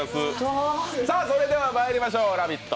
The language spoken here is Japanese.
それではまいりましょう、「ラヴィット！」